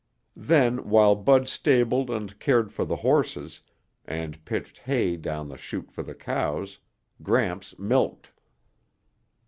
Then, while Bud stabled and cared for the horses, and pitched hay down the chute for the cows, Gramps milked.